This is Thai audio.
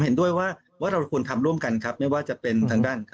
เห็นด้วยว่าเราควรทำร่วมกันครับไม่ว่าจะเป็นทางด้าน